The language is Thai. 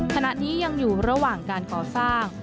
ขณะนี้ยังอยู่ระหว่างการก่อสร้าง